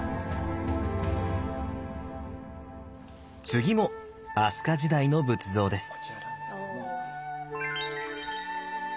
次も飛鳥時代の仏像です。